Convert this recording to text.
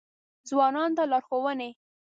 ځوانانو ته لارښوونې: